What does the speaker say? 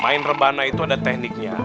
main rebana itu ada tekniknya